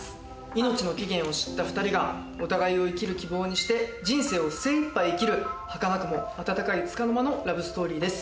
命の期限を知った２人がお互いを生きる希望にして人生を精一杯生きる、はかなくもあたたかい、束の間のラブストーリーです。